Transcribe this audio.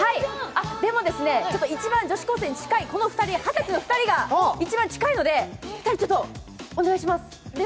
でもですね、一番女子高校生に近いこの二十歳の２人が一番近いのでお願いします。